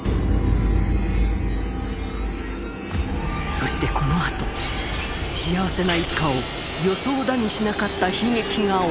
そしてこのあと幸せな一家を予想だにしなかった悲劇が襲う！